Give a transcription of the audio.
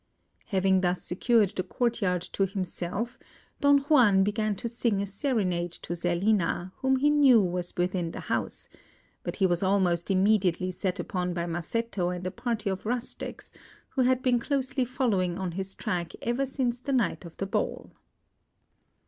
Having thus secured the courtyard to himself, Don Juan began to sing a serenade to Zerlina, whom he knew was within the house; but he was almost immediately set upon by Masetto and a party of rustics, who had been closely following on his track ever since the night of the ball.